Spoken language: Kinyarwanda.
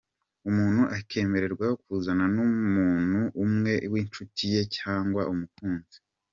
Umuntu akemererwa kuzana n’umuntu umwe w’inshuti ye cyangwa umukunzi.